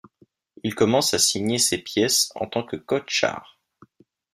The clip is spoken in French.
Il commence à signer ses pièces en tant que Kotchar.